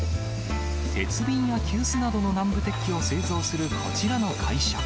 鉄瓶や急須などの南部鉄器を製造するこちらの会社。